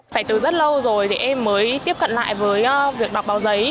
phải từ rất lâu rồi thì em mới tiếp cận lại với việc đọc báo giấy